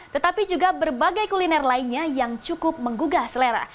tetapi juga berbagai kuliner lainnya yang cukup menggugah selera